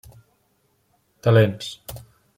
Talents: